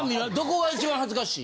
が一番恥ずかしい。